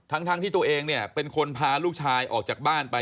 ทั้งที่ตัวเองเนี่ยเป็นคนพาลูกชายออกจากบ้านไป